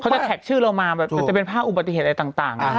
จะแท็กชื่อเรามาแบบจะเป็นภาพอุบัติเหตุอะไรต่าง